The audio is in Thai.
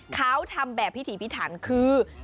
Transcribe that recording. เขาทำแบบพิถีพิถันคือ